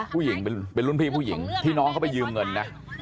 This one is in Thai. ผู้หญิงเป็นรุ่นพี่ผู้หญิงที่น้องเขาไปยืมเงินนะ